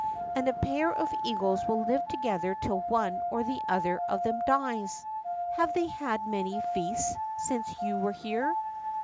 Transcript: And a pair of eagles will live together till one or the other of them dies.' ^ Have they had many feasts since you were here